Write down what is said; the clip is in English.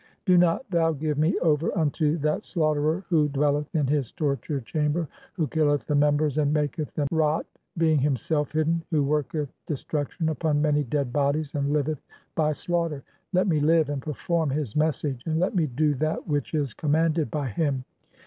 "Do not thou give me over unto that slaughterer who dwelleth "in his torture chamber (?), who (14) killeth the members and "maketh them rot being [himself] hidden — who worketh de struction upon many dead bodies and liveth by slaughter. Let "me live and perform his message, and let me do that which "(15) is commanded by him.